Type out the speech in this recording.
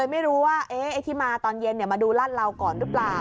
ไม่รู้ว่าไอ้ที่มาตอนเย็นมาดูลาดเหลาก่อนหรือเปล่า